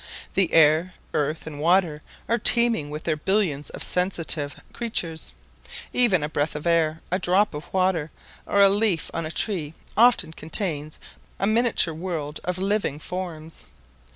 The air, earth and water are teeming with their billions of sensitive creatures; even a breath of air, a drop of water, or a leaf on a tree often contains a miniature world of living forms.